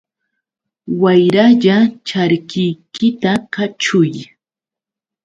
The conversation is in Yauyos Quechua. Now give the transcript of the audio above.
Wayralla charkiykita kaćhuy.